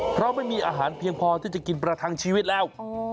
เพราะไม่มีอาหารเพียงพอที่จะกินประทังชีวิตแล้ว